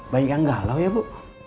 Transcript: banyak yang galau ya bu